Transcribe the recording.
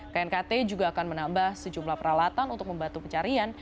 knkt juga akan menambah sejumlah peralatan untuk membantu pencarian